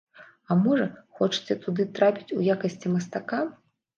А можа, хочаце туды трапіць у якасці мастака?